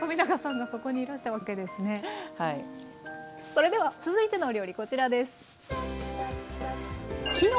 それでは続いてのお料理こちらです。